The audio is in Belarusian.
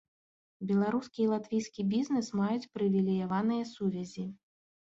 Беларускі і латвійскі бізнэс маюць прывілеяваныя сувязі.